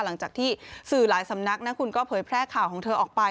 หลังจากที่สื่อหลายสำนักนะคุณก็เผยแพร่ข่าวของเธอออกไป